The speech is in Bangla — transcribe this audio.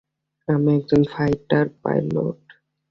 আমি একজন ফাইটার পাইলট।